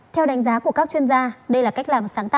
theo đánh giá của các chuyên gia đây là cách làm sáng tạo